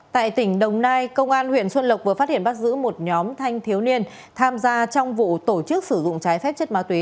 tại tỉnh đồng nai công an huyện xuân lộc vừa phát hiện bắt giữ một nhóm thanh thiếu niên tham gia trong vụ tổ chức sử dụng trái phép chất ma túy